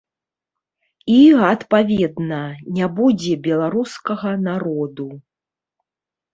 І, адпаведна, не будзе беларускага народу.